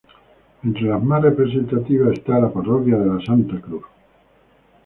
Entre las más representativas está la Parroquia de la Santa Cruz.